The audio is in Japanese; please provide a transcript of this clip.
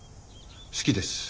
好きです。